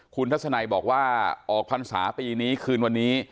คุณทัศนัยบอกว่าออกพรรษาปีนี้คืนวันนี้